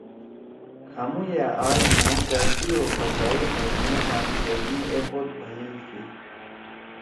کھامُو یأ آج مھو دردی او پشائی بھئی مے کانفرنس می ایپود بھئیل تھی۔